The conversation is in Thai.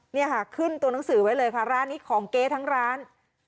นี่ค่ะขึ้นตัวหนังสือไว้เลยค่ะร้านนี้ของเก๊ทั้งร้าน